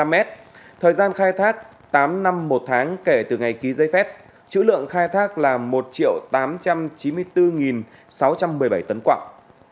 ba mươi năm mét thời gian khai thác tám năm một tháng kể từ ngày ký giấy phép chữ lượng khai thác là một tám trăm chín mươi bốn sáu trăm một mươi bảy tấn quạng